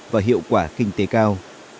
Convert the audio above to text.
và hiệu quả kinh tế cao